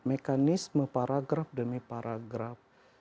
mekanisme paragraf demi paragraf